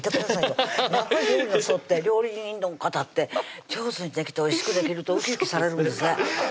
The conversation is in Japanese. やっぱり料理人の方って上手にできておいしくできるとウキウキされるんですね